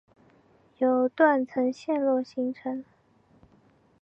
由断层陷落形成。